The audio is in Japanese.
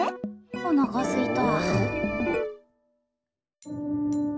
おなかすいた。